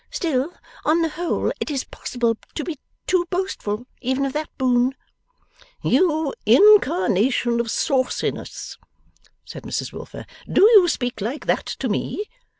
Still, on the whole, it is possible to be too boastful even of that boon.' 'You incarnation of sauciness,' said Mrs Wilfer, 'do you speak like that to me?